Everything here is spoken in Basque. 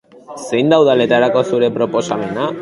Zein da udaletarako zure proposamena?